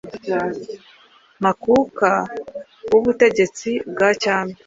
ntakuka w’ubutegetsi bwa Cyami.